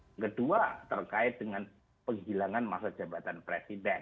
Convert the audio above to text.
yang kedua terkait dengan penghilangan masa jabatan presiden